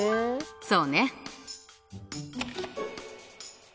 そうね。